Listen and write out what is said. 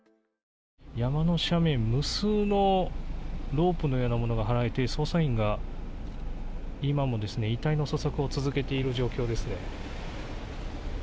山の斜面、無数のロープのようなものが張られて捜査員が今も、遺体の捜索を続けている状況ですね。